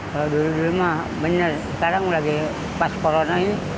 kalau dulu dulu mah bener sekarang lagi pas corona ini